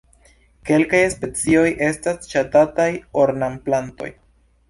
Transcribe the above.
Kelkaj specioj estas ŝatataj ornamplantoj.